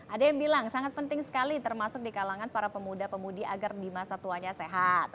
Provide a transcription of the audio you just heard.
ada yang bilang sangat penting sekali termasuk di kalangan para pemuda pemudi agar di masa tuanya sehat